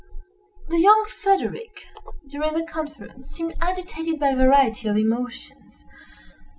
The young Frederick, during the conference, seemed agitated by a variety of emotions.